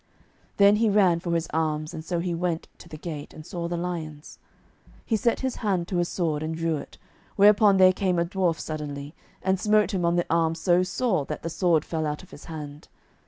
Then he ran for his arms, and so he went to the gate, and saw the lions. He set his hand to his sword, and drew it, whereupon there came a dwarf suddenly, and smote him on the arm so sore that the sword fell out of his hand.